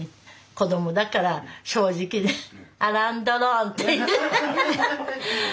子供だから正直でアラン・ドロンって。